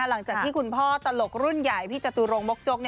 หลังจากที่คุณพ่อตลกรุ่นใหญ่พี่จตุรงมกจก